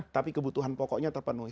tapi kebutuhan pokoknya terpenuhi